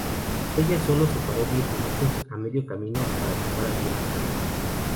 Ella sólo se paró diez minutos a medio camino para chupar algunas naranjas.